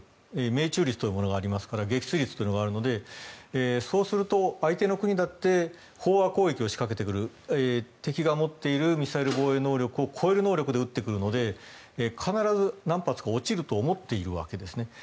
命中率というもの撃墜率というものがあるのでそうすると、相手の国だって飽和攻撃を仕掛けてくる敵が持っているミサイル防衛能力を超える能力で撃ってくるので必ず何発か落ちると思っているわけですね。